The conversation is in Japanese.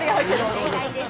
正解です。